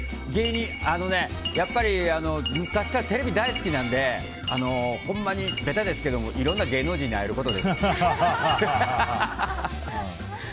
やっぱり、昔からテレビ大好きなんでほんまにべたですけどいろんな芸能人に会えることです。